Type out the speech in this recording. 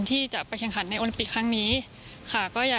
ที่จะไปแข่งขันในโอลิมปิกครั้งนี้ค่ะ